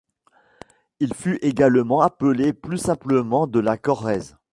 Il fut également appelé plus simplement de la Corrèze.